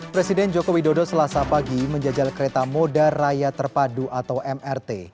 presiden joko widodo selasa pagi menjajal kereta moda raya terpadu atau mrt